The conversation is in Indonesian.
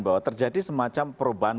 bahwa terjadi semacam perubahan